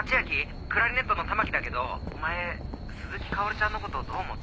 クラリネットの玉木だけどお前鈴木薫ちゃんのことどう思う。